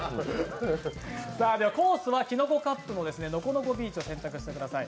コースはキノコカップのノコノコビーチを選択してください。